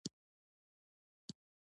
هر باغ یو تاریخ لري.